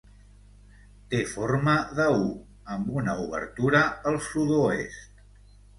Té forma de U, amb una obertura al sud-oest.